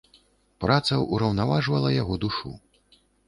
Праца ўраўнаважвала яго душу.